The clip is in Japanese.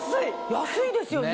安いですよね。